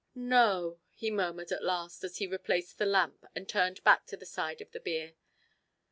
"No," he murmured at last, as he replaced the lamp and turned back to the side of the bier.